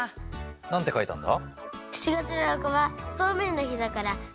何て書いたんだ？